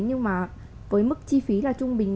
nhưng mà với mức chi phí là trung bình